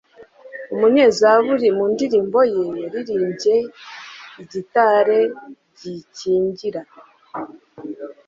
Umunyezaburi mu ndirimbo ye "yaririmbye igitare gikingira."